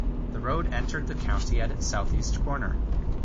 The road entered the county at its southeast corner.